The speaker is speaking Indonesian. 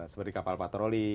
seperti kapal patroli